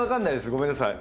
ごめんなさい。